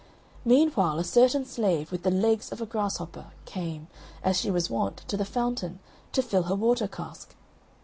Meanwhile a certain Slave, with the legs of a grasshopper, came, as she was wont, to the fountain, to fill her water cask.